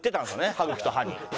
歯茎と歯に。